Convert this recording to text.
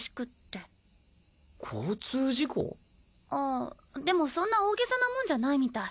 あでもそんな大げさなもんじゃないみたい。